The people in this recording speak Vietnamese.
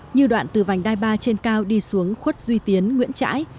như đoạn từ vành đai ba trên cao đi xuống khuất duy tiến nguyễn trãi